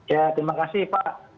ya terima kasih pak